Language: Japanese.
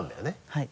はい。